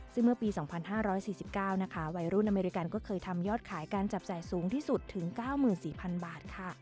ซึ่งเมื่อปี๒๕๔๙นะคะวัยรุ่นอเมริกันก็เคยทำยอดขายการจับจ่ายสูงที่สุดถึง๙๔๐๐๐บาทค่ะ